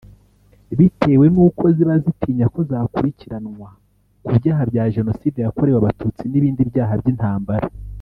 bitewe n’uko ziba zigitinya ko zakurikiranwa ku byaha bya Jenoside yakorewe Abatutsi n’ibindi byaha by’intambara